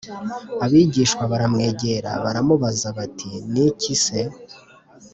Abigishwa baramwegera baramubaza bati Ni ikise